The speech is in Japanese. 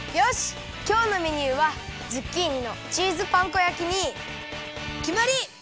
きょうのメニューはズッキーニのチーズパン粉焼きにきまり！